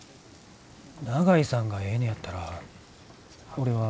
長井さんがええねやったら俺は別に。